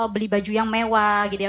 beli baju yang mewah gitu ya